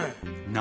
何？